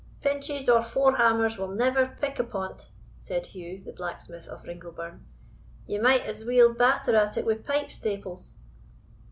"Pinches or forehammers will never pick upon't," said Hugh, the blacksmith of Ringleburn; "ye might as weel batter at it wi' pipe staples."